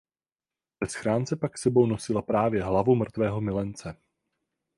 Ve schránce pak s sebou nosila právě hlavu mrtvého milence.